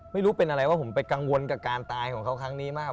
ไม่รู้เป็นอะไรว่าผมไปกังวลกับการตายของเขาครั้งนี้มาก